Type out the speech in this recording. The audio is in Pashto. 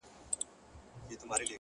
هره ورځ د نوې ودې چانس لري!